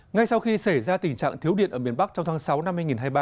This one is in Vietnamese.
ngay sau khi xảy ra tình trạng thiếu điện ở miền bắc trong tháng sáu năm hai nghìn hai mươi ba